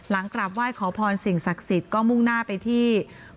กราบไหว้ขอพรสิ่งศักดิ์สิทธิ์ก็มุ่งหน้าไปที่